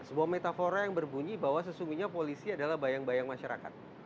sebuah metafora yang berbunyi bahwa sesungguhnya polisi adalah bayang bayang masyarakat